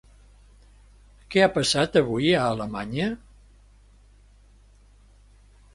Què ha passat avui a Alemanya?